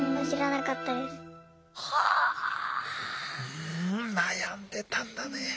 うん悩んでたんだね。